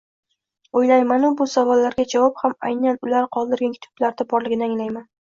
O‘ylayman-u, bu savollarga javob ham aynan ular qoldirgan kitoblarda borligini anglayman.